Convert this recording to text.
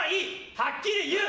はっきり言う。